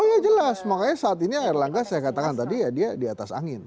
oh ya jelas makanya saat ini air langga saya katakan tadi ya dia di atas angin